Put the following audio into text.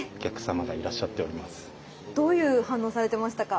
どういう反応されてましたか？